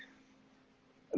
tantangan buat pemain city